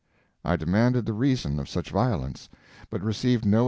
I demanded the reason of such violence, but received no...